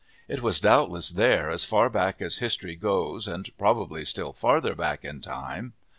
It was doubtless there as far back as history goes and probably still farther back in time.